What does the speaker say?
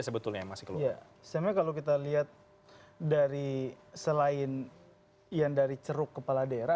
sebetulnya kalau kita lihat dari selain yang dari ceruk kepala daerah